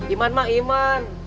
iman mah iman